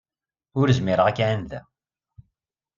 Ur zmireɣ ad k-ɛandeɣ.